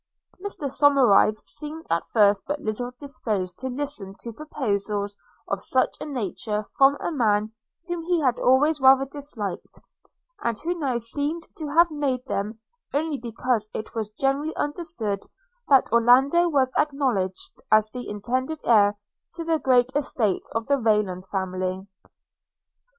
Mr Somerive seemed at first but little disposed to listen to proposals of such a nature from a man whom he had always rather disliked, and who now seemed to have made them, only because it was generally understood that Orlando was acknowledged as the intended heir to the great estates of the Rayland family.